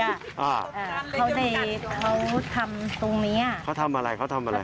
อ่าอ่าเขาได้เขาทำตรงเนี้ยเขาทำอะไรเขาทำอะไร